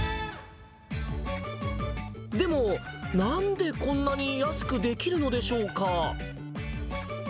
でも、なんでこんなに安くできるのでしょうか。